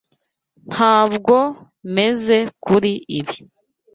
T Ntabwo meze kuri ibi.